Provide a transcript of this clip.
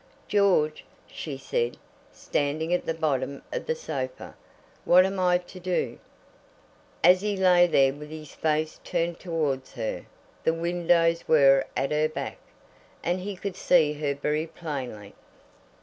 "George," she said, standing at the bottom of the sofa, "what am I to do?" As he lay there with his face turned towards her, the windows were at her back, and he could see her very plainly.